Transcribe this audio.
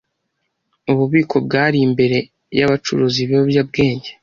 Ububiko bwari imbere y’abacuruza ibiyobyabwenge.